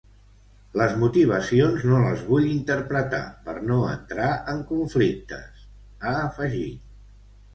Les motivacions no les vull interpretar, per no entrar en conflictes, ha afegit.